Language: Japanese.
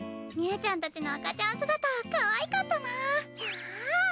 みゅーちゃんたちの赤ちゃん姿かわいかったな。ちゃあ。